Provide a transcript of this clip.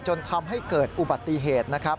จนทำให้เกิดอุบัติเหตุนะครับ